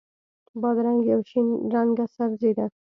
بادرنګ یو شین رنګه سبزي ده.